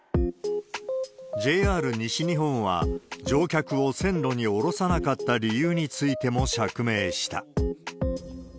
ＪＲ西日本は、乗客を線路に降ろさなかった理由についても釈明した。